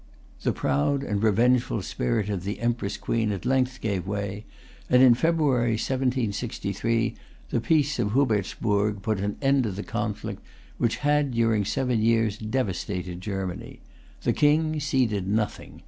The proud and revengeful spirit of the Empress Queen at length gave way; and, in February, 1763, the peace of Hubertsburg put an end to the conflict which had, during seven years, devastated Germany. The King ceded nothing.